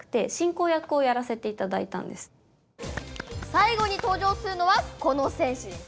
最後に登場するのはこの戦士です。